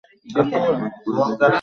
মাফ করে দেন ভাই!